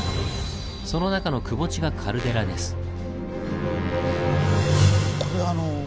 その中のくぼ地がカルデラです。